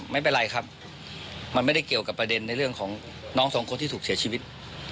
ไม่เป็นไรครับมันไม่ได้เกี่ยวกับประเด็นในเรื่องของน้องสองคนที่ถูกเสียชีวิต